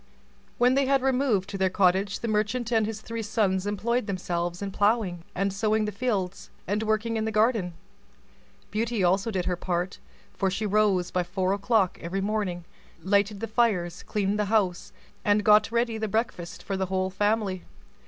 When they had removed to their cottage, the merchant and his three sons employed themselves in ploughing and sowing the fields, and working in the garden. Beauty also did her part, for she rose by four o'clock every morning, lighted the fires, cleaned the house, and got ready the breakfast for the whole family.